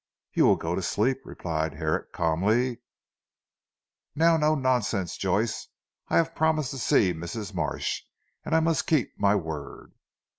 "You will go to sleep," replied Herrick calmly, "now no nonsense Joyce. I have promised to see Mrs. Marsh and I must keep my word."